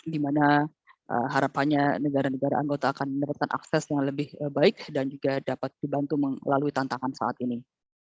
di mana harapannya negara negara anggota akan mendapatkan akses yang lebih baik dan juga dapat dibantu melalui tantangan saat ini